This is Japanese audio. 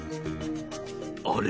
あれ？